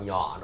nó còn nhỏ